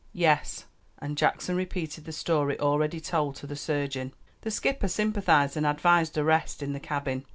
"Yes;" and Jackson repeated the story already told to the surgeon. The skipper sympathized and advised a rest in the cabin.